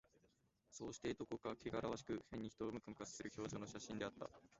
そうして、どこかけがらわしく、変に人をムカムカさせる表情の写真であった